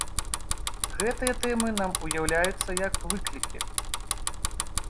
Гэтыя тэмы нам уяўляюцца як выклікі.